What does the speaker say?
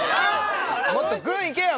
もっとグいけよ！